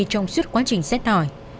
trong suốt quá trình xét hỏi